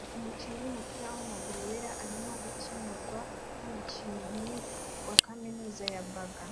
Umukinnyi wumupira wamaguru wera arimo gukemurwa numukinnyi wa kaminuza ya Baga